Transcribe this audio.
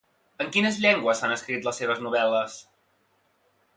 En quines llengües s'han escrit les seves novel·les?